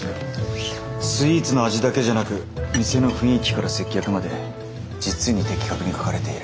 スイーツの味だけじゃなく店の雰囲気から接客まで実に的確に書かれている。